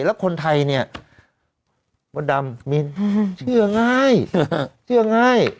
แล้วคนไทยเนี่ยมดดำมินเชื่อง่ายเชื่อง่าย